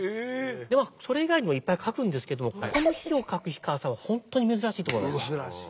でもそれ以外にもいっぱい書くんですけどもこの火を書く火川さんは本当に珍しいと思います。